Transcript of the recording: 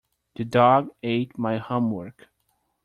The dog ate my homework.